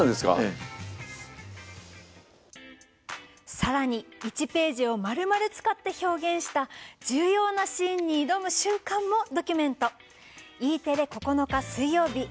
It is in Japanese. さらに１ページをまるまる使って表現した重要なシーンに挑む瞬間もドキュメント。